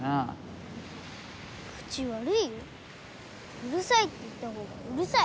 うるさいって言った方がうるさい。